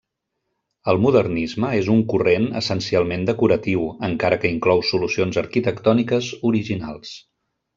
El modernisme és un corrent essencialment decoratiu, encara que inclou solucions arquitectòniques originals.